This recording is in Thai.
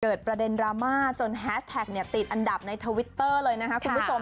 เกิดประเด็นรามาท์จนแฮชแท็กตีดอันดับในทวิตเตอร์เลยนะครับคุณผู้ชม